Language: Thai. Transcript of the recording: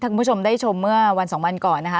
คุณผู้ชมได้ชมเมื่อวันสองวันก่อนนะคะ